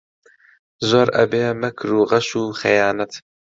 زۆر ئەبێ مەکر و غەش و خەیانەت